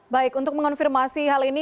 baik untuk mengonfirmasi hal ini